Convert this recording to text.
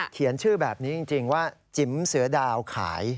เขียนชื่อแบบนี้จริงว่าจิ๋มเสือดาวขาย